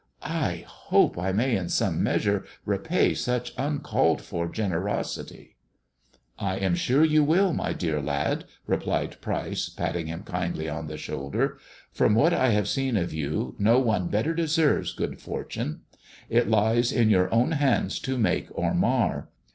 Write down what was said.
I hope I may in some measure repay such uncalled for generosity." " I am sure you will, my dear lad," replied Pryce, patting him kindly on the shoulder. " From what I have seen of you, no one better deserves good fortune. It lies in your own hands to make or mar.